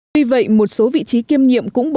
vì vậy một số vị trí kiêm nhiệm cũng